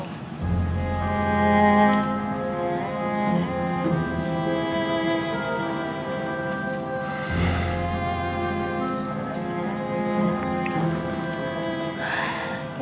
ngajak gue ketemuan disini